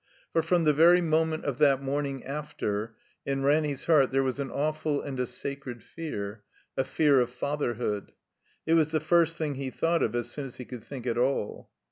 For, from the very moment of that morning after, in Ranny's heart there was an awftd and a sacred fear, a fear of fatherhood. It was the first thing he thought of as soon as he could think at all.